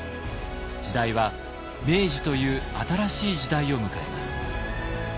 時代は明治という新しい時代を迎えます。